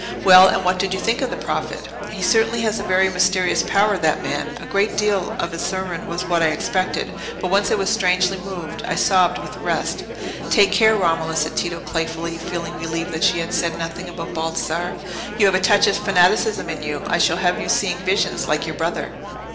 "Well, and what did you think of the prophet?" "He certainly has a very mysterious power, that man. A great deal of his sermon was what I expected; but once I was strangely moved—I sobbed with the rest." "Take care, Romola," said Tito, playfully, feeling relieved that she had said nothing about Baldassarre; "you have a touch of fanaticism in you. I shall have you seeing visions, like your brother."